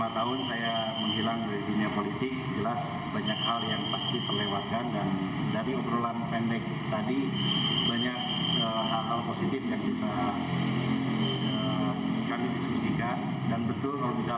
lima tahun saya menghilang dari dunia politik jelas banyak hal yang pasti terlewatkan dan dari obrolan pendek tadi banyak hal hal positif yang bisa kami diskusikan dan betul